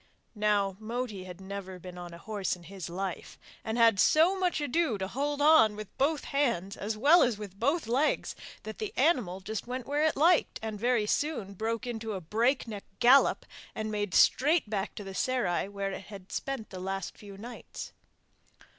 Now Moti had never been on a horse in his life, and had so much ado to hold on with both hands as well as with both legs that the animal went just where it liked, and very soon broke into a break neck gallop and made straight back to the serai where it had spent the last few nights.